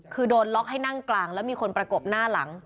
คือโดนล็อกให้นั่งกลางแล้วมีคนประกบหน้าหลัง